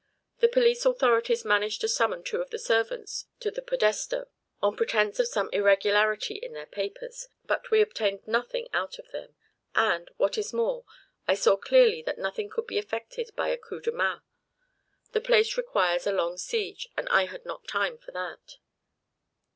The police authorities managed to summon two of the servants to the Podestà, on pretence of some irregularity in their papers, but we obtained nothing out of them; and, what is more, I saw clearly that nothing could be effected by a coup de main. The place requires a long siege, and I had not time for that."